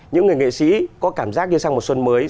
những người nghệ sĩ có cảm giác đi sang một xuân mới